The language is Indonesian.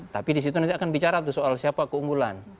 tapi disitu nanti akan bicara soal siapa keunggulan